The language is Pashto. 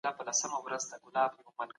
زه بې له تا ګراني!